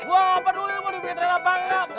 gua gak peduli lo dipitrain apa enggak